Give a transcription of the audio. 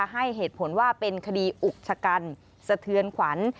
ให้เหตุผลว่าเป็นคดีอุกชะกันสะเทือนขวัญ